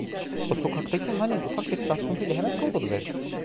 O sokaktaki halin de ufak bir sarsıntıyla hemen kayboluverdi…